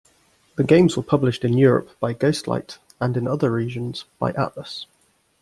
The games were published in Europe by Ghostlight and in other regions by Atlus.